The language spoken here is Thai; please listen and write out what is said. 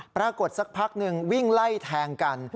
สักพักหนึ่งวิ่งไล่แทงกัน